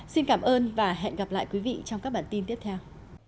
xin cảm ơn và hẹn gặp lại quý vị trong các bản tin tiếp theo